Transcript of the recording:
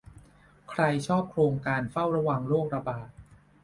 ใครชอบโครงการเฝ้าระวังโรคระบาด